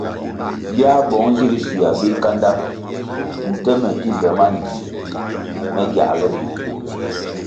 Biā bong zig schua bikanda nte me ki be mangie me giāle bi.